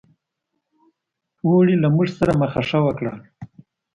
اوړي له موږ سره مخه ښه وکړل.